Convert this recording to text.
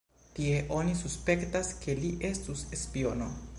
Tie oni suspektas, ke li estus spiono.